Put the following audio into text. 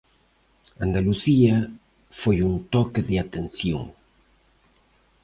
Andalucía foi un toque de atención.